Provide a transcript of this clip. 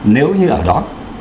nếu như ở đó